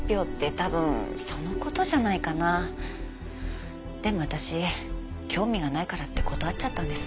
でも私興味がないからって断っちゃったんです。